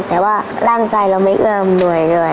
แต่ว่าร่างกายเราไม่เอิ่มด้วยเลย